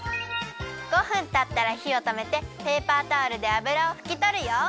５分たったらひをとめてペーパータオルであぶらをふきとるよ。